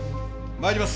参ります。